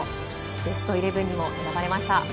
ベストイレブンにも選ばれました。